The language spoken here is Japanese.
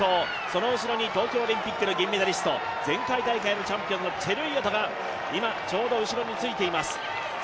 その後ろに東京オリンピックの銀メダリスト前回大会のチャンピオンのチェルイヨトがちょうど後ろについています。